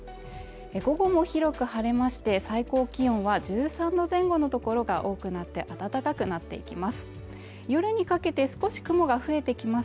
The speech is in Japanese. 午後も広く晴れまして最高気温は１３度前後の所が多くなって暖かくなっていきます